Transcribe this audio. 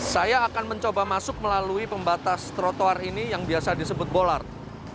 saya akan mencoba masuk melalui pembatas trotoar ini yang biasa disebut bolart